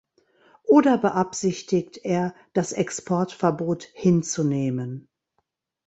Oder beabsichtigt er, das Exportverbot hinzunehmen?